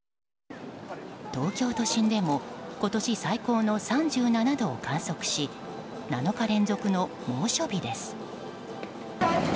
東京都心でも今年最高の３７度を観測し７日連続の猛暑日です。